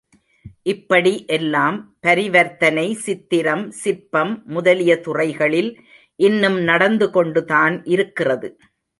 இப்படி எல்லாம் பரிவர்த்தனை, சித்திரம், சிற்பம் முதலிய துறைகளில் இன்னும் நடந்து கொண்டுதான் இருக்கிறது.